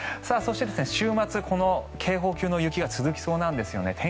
そして、週末この警報級の雪が続きそうなんですね。